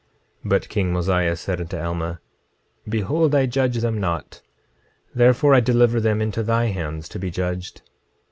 26:12 But king Mosiah said unto Alma: Behold, I judge them not; therefore I deliver them into thy hands to be judged.